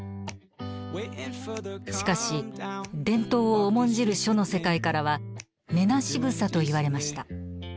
しかし伝統を重んじる書の世界からは「根なし草」と言われました。